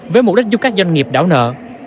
với mục đích giúp các doanh nghiệp đảo nợ